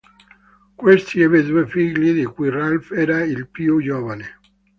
Questi ebbe due figli, di cui Ralph era il più giovane.